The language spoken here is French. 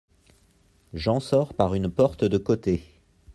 Jean sort par une porte de côté.